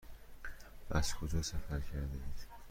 از کجا سفر کرده اید؟